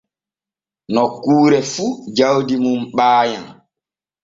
Nokkuure fu jawdi mum ɓaayam.